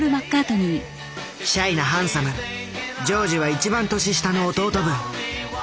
シャイなハンサムジョージは一番年下の弟分。